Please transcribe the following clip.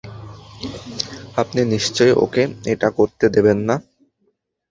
আপনি নিশ্চয় ওকে এটা করতে দেবেন না।